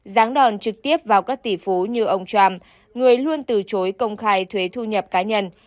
giáng đòn trực tiếp vào các tỷ phú như ông trump người luôn từ chối công khai thuế thu nhập cá nhân